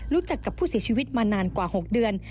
รู้จักกับผู้เสียชีวิตมานานกว่า๖เดือน